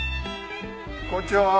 こんにちは。